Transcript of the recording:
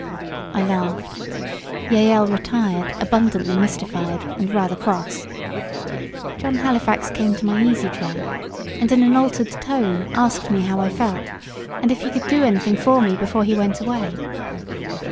I laughed. Jael retired, abundantly mystified, and rather cross. John Halifax came to my easy chair, and in an altered tone asked me how I felt, and if he could do anything for me before he went away.